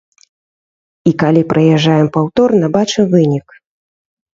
І калі прыязджаем паўторна, бачым вынік.